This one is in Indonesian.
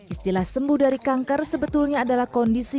istilah sembuh dari kanker sebetulnya adalah kondisi